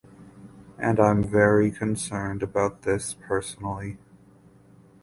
And I’m very concerned about this personally.